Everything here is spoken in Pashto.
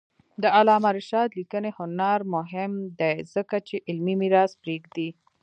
د علامه رشاد لیکنی هنر مهم دی ځکه چې علمي میراث پرېږدي.